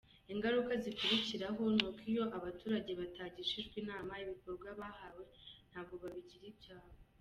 "Ingaruka zikurikiraho ni uko iyo abaturage batagishijwe inama, ibikorwa bahawe ntabwo babigira ibyabo.